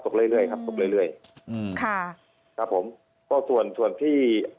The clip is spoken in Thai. ตกเรื่อยครับตกเรื่อยอือค่ะครับผมก็ส่วนส่วนที่